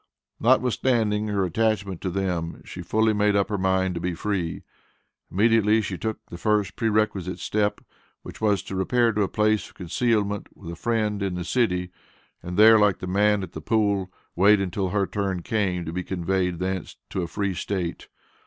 Notwithstanding her attachment to them, she fully made up her mind to be free. Immediately she took the first prerequisite step, which was to repair to a place of concealment with a friend in the city, and there, like the man at the pool, wait until her turn came to be conveyed thence to a free State.